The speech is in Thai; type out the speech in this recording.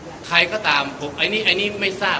อันนี้มียอมไลก์เตือนไหนนะครับ